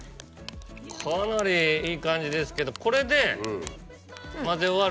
かなりいい感じですけどこれで。